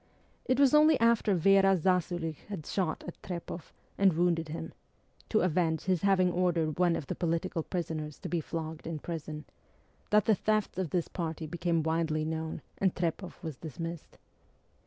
It was only after Vera Zasulich had shot at Trepoff and wounded him (to avenge his having ordered one of the political prisoners to be flogged in prison) that the thefts of this party became widely known and Trepoff was dismissed.